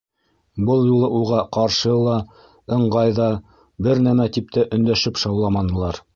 Был юлы уға ҡаршы ла, ыңғай ҙа бер нәмә тип тә өндәшеп шауламанылар.